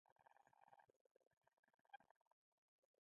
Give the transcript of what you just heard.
یوه زه وم، یوه شپه وه